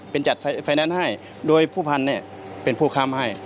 เป็นจัดไฟแนนซ์ให้โดยผู้พันธุ์เป็นผู้ค้ำให้